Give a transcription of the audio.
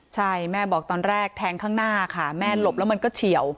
ใช่แม่บอกตอนแรกแทงข้างหน้าค่ะแม่หลบแล้วมันก็เฉียว